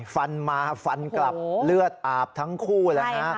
ฟันมาฟันกลับเลือดอาบทั้งคู่แล้วฮะ